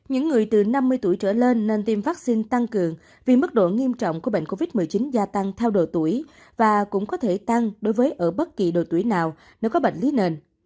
những người từ năm mươi tuổi trở lên nên tiêm vaccine tăng cường vì mức độ nghiêm trọng của bệnh covid một mươi chín gia tăng theo độ tuổi và cũng có thể tăng đối với ở bất kỳ độ tuổi nào nếu có bệnh lý nền